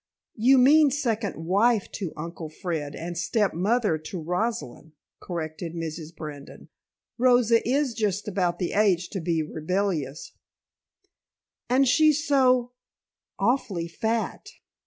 "You mean second wife to Uncle Fred and stepmother to Rosalind," corrected Mrs. Brandon. "Rosa is just about the age to be rebellious " "And she's so awfully fat."